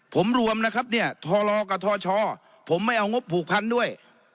ผมรวมนะครับเนี่ยทรกับทชผมไม่เอางบผูกพันด้วย